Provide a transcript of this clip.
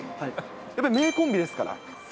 やっぱり、名コンビですから。